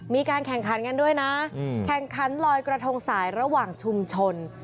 มีการแข่งขันกันด้วยนะแข่งขันลอยกระทงสายระหว่างชุมชน